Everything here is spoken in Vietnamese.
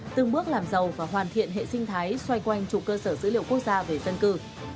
từng bước làm giàu và hoàn thiện hệ sinh thái xoay quanh chủ cơ sở dữ liệu quốc gia về dân cư